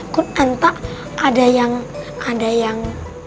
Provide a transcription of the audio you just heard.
kut anta ada yang ada yang